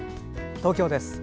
東京です。